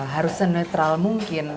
harus senetral mungkin